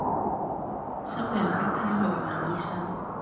生病迫她去看醫生